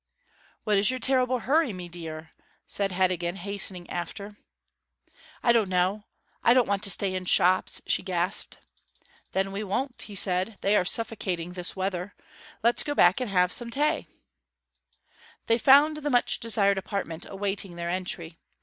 'What is your terrible hurry, mee deer?' said Heddegan, hastening after. 'I don't know I don't want to stay in shops,' she gasped. 'And we won't,' he said. 'They are suffocating this weather. Let's go back and have some tay!' They found the much desired apartment awaiting their entry.